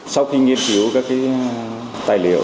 sau khi nghiên cứu các tài liệu